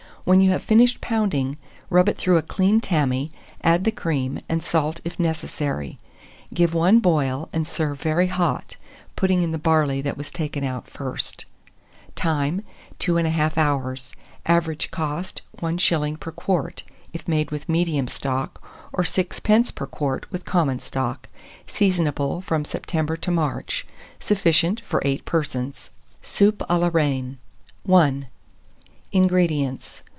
When you have finished pounding, rub it through a clean tammy, add the cream, and salt if necessary; give one boil, and serve very hot, putting in the barley that was taken out first. Time. 2 1/2 hours. Average cost, 1s. per quart, if made with medium stock, or 6d. per quart, with common stock. Seasonable from September to March. Sufficient for 8 persons. SOUP A LA REINE. I. 183. INGREDIENTS.